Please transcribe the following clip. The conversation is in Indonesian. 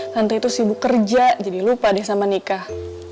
hantu itu sibuk kerja jadi lupa deh sama nikah